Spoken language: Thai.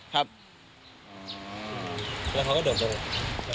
แล้วเขาก็เดินลง